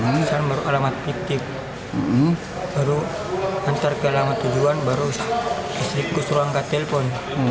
misalnya baru alamat piktif baru antar ke alamat tujuan baru istriku suruh angkat telepon